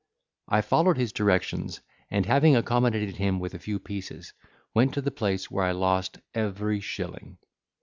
I followed his directions, and, having accommodated him with a few pieces, went to the place, where I lost every shilling.